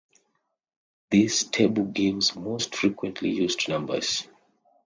This table gives most frequently used numbers.